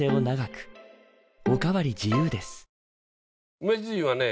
梅じいはね